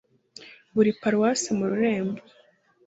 buri paruwase mu Rurembo